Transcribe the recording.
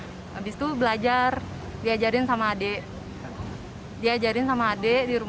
habis itu belajar diajarin sama adik